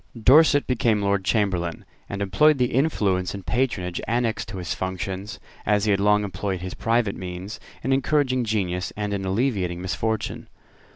Dorset became Lord Chamberlain, and employed the influence and patronage annexed to his functions, as he had long employed his private means, in encouraging genius and in alleviating misfortune.